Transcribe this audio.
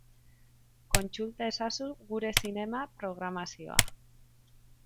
Kontsulta ezazu gure zinema-programazioa.